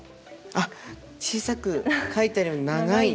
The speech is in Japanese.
あっ小さく書いてある「長い」。